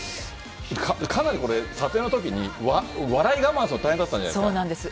かなりこれ、撮影のときに、笑い我慢するの大変だったんじゃないですか？